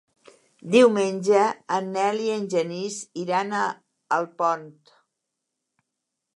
Diumenge en Nel i en Genís iran a Alpont.